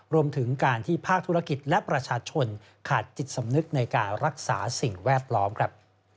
รวมถึงการที่ภาคธุรกิจและประชาชนขาดจิตสำนึกในการรักษาสิ่งแวดล้อมครับ